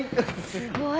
すごい。